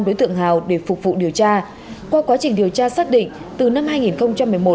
đối tượng hào để phục vụ điều tra qua quá trình điều tra xác định từ năm hai nghìn một mươi một